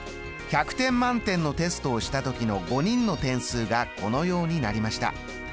１００点満点のテストをした時の５人の点数がこのようになりました。